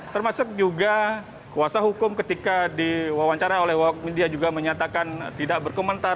termasuk juga kuasa hukum ketika diwawancara oleh wak media juga menyatakan tidak berkomentar